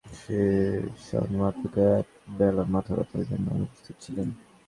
তাঁর অধীনে দুই বছরের ট্রেনিং সেশনে মাত্র একবেলা মাথাব্যথার জন্য অনুপস্থিত ছিলেন।